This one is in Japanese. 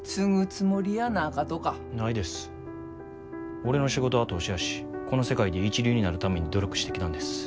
俺の仕事は投資やしこの世界で一流になるために努力してきたんです。